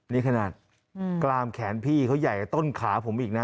นี่ขนาดกลางแขนพี่เขาใหญ่ต้นขาผมอีกนะ